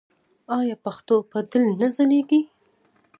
آیا پښتو به تل نه ځلیږي؟